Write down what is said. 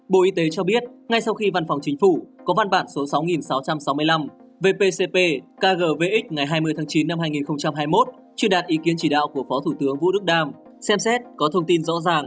bộ y tế có thông tin chính thức về việc không thu phí xét nghiệm covid một mươi chín